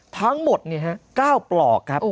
ทั้งหมด๙ปลอกครับ